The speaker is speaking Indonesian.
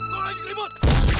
lo lagi keribut